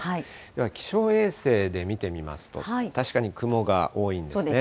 では気象衛星で見てみますと、確かに雲が多いんですね。